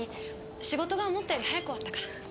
仕事が思ったより早く終わったから。